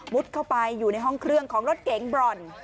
เข้าไปอยู่ในห้องเครื่องของรถเก๋งบรอน